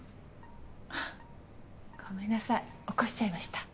あごめんなさい起こしちゃいました？